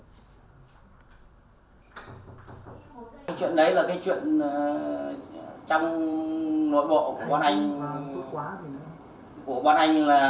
chuyện đấy là cái chuyện trong